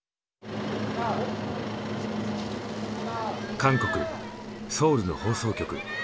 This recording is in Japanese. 韓国・ソウルの放送局。